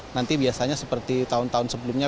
nanti biasanya seperti tahun tahun sebelumnya